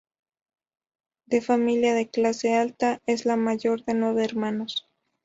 De familia de clase alta, es la mayor de nueve hermanos.